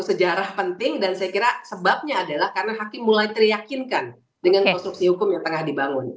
sejarah penting dan saya kira sebabnya adalah karena hakim mulai teryakinkan dengan konstruksi hukum yang tengah dibangun